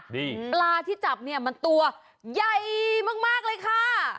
นี่ปลาที่จับเนี่ยมันตัวใหญ่มากเลยค่ะ